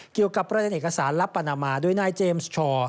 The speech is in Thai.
เกี่ยวกับประเด็นเอกสารลับปานามาโดยนายเจมส์ชอ